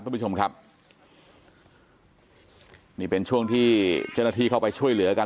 ท่านผู้ชมครับนี่เป็นช่วงที่เจ้าหน้าที่เข้าไปช่วยเหลือกัน